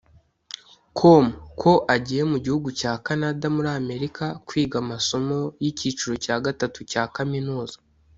com ko agiye mu gihugu cya Canada muri Amerika kwiga amasomo y’ikiciro cya gatatu cya Kaminuza